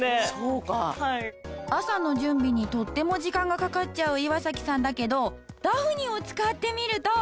朝の準備にとっても時間がかかっちゃう岩崎さんだけどダフニを使ってみると。